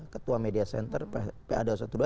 ketua media center pa dua ratus dua belas